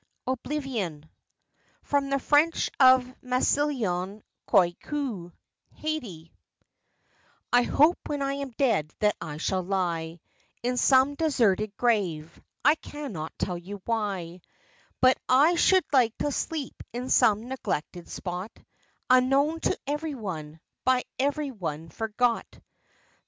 OBLIVION From the French of Massillon Coicou (Haiti) I hope when I am dead that I shall lie In some deserted grave I cannot tell you why, But I should like to sleep in some neglected spot Unknown to every one, by every one forgot.